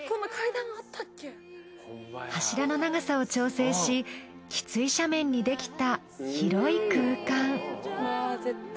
柱の長さを調整しきつい斜面に出来た広い空間。